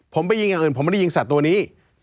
ผมไปยิงอย่างอื่นผมไม่ได้ยิงสัตว์ตัวนี้